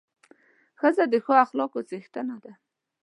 ښځه د ښو اخلاقو څښتنه ده.